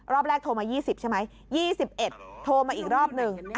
รอบแรกโทรมา๒๐ใช่ไหม๒๑โทรมาอีกรอบหนึ่ง